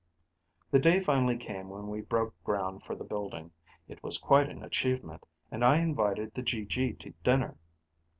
The day finally came when we broke ground for the building. It was quite an achievement, and I invited the GG to dinner.